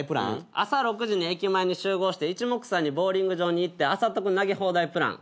朝６時に駅前に集合して一目散にボウリング場に行って朝得投げ放題プラン。